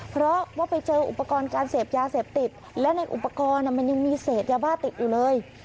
เพราะว่าไปเจออุปกรณ์การเสพยาเสพติดและในอุปกรณ์มันยังมีเศษยาบ้าติดอยู่เลย